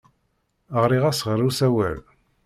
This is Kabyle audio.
Ɣriɣ-as ɣer usawal.